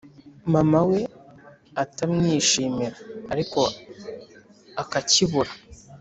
mama we atamwishimira ariko akacyibura.